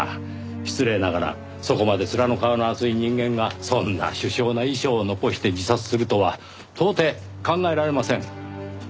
失礼ながらそこまで面の皮の厚い人間がそんな殊勝な遺書を残して自殺するとは到底考えられません。